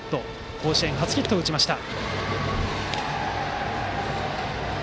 甲子園初ヒットを打ちました。